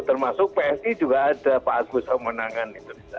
termasuk psi juga ada pak agus omenangan itu